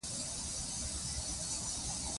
ازادي راډیو د د ځنګلونو پرېکول د تحول لړۍ تعقیب کړې.